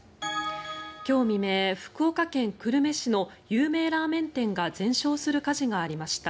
今日未明、福岡県久留米市の有名ラーメン店が全焼する火事がありました。